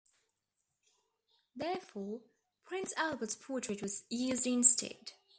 Therefore, Prince Albert's portrait was used instead.